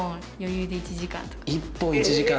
１本１時間？